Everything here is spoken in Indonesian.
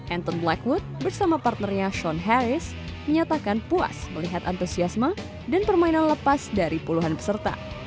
anton blackwood bersama partnernya shon harris menyatakan puas melihat antusiasme dan permainan lepas dari puluhan peserta